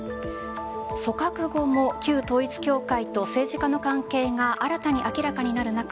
組閣後も旧統一教会と政治家の関係が新たに明らかになる中